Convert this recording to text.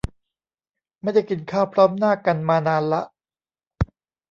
ไม่ได้กินข้าวพร้อมหน้ากันมานานละ